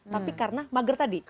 tapi karena mager tadi